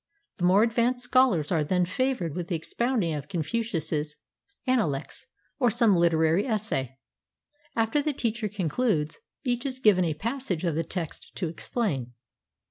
The more advanced scholars are then favored with the expounding of Confucius's "Ana lects " or some literary essay. After the teacher concludes , each is given a passage of the text to explain.